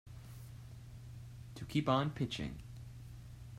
To keep on pitching.